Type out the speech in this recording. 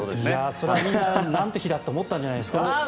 それはみんななんて日だって思ったんじゃないですか？